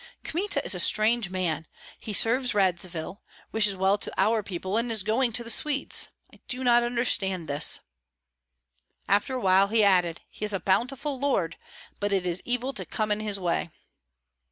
Kmita is a strange man; he serves Radzivill, wishes well to our people, and is going to the Swedes; I do not understand this." After a while he added: "He is a bountiful lord; but it is evil to come in his way."